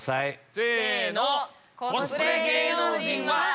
せの！